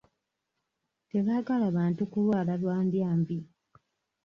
Tebaagala bantu kulwala lwa ndyambi.